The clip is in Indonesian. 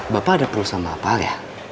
bapak ada perusahaan sama pak al ya